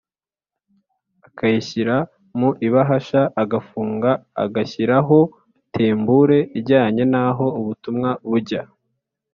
akayishyira mu ibahasha agafunga, agashyiraho tembure ijyanye naho ubutumwa bujya